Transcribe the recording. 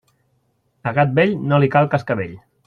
A gat vell, no li cal cascavell.